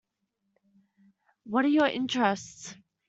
What are your interests?